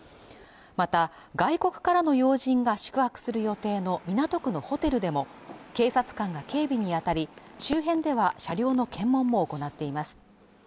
また外国からの要人が宿泊する予定の港区のホテルでも警察官が警備に当たり周辺では車両の検問も行っています